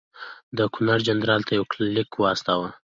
ده ګورنرجنرال ته یو لیک واستاوه.